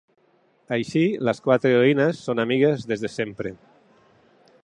Així, les quatre heroïnes són amigues des de sempre.